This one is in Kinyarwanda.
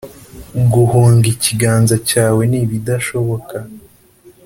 Guhunga ikiganza cyawe ni ibidashoboka.